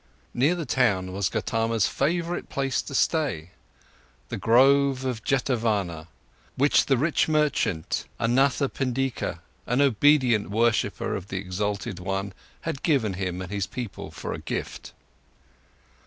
Near the town was Gotama's favourite place to stay, the grove of Jetavana, which the rich merchant Anathapindika, an obedient worshipper of the exalted one, had given him and his people for a gift.